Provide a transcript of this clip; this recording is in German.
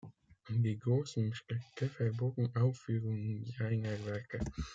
Die großen Städte verboten Aufführungen seiner Werke.